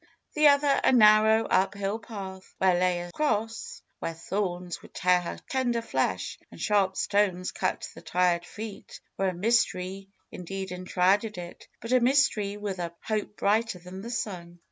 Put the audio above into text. The other a narrow, up hill path, where lay a cross where thorns would tear her tender flesh and sharp stones cut the tired feet where a mystery indeed enshrouded it, but a mystery with a hope brighter than the sun.